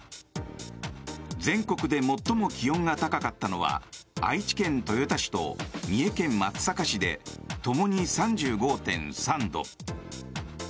全国で最も気温が高かったのは愛知県豊田市と三重県松阪市でともに３５．３度。